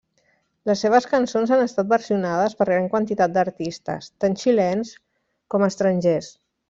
Les seves cançons han estat versionades per gran quantitat d'artistes, tant xilens com estrangers.